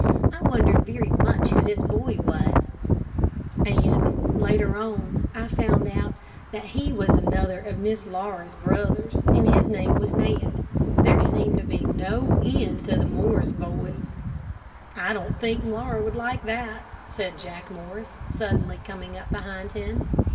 I wondered very much who this boy was, and, later on, I found out that he was another of Miss Laura's brothers, and his name was Ned. There seemed to be no end to the Morris boys. "I don't think Laura would like that," said Jack Morris, suddenly coming up behind him.